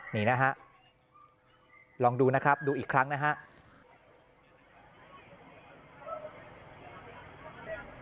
นี่นะฮะลองดูนะครับดูอีกครั้งนะครับ